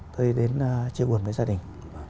tôi đến chia buồn với gia đình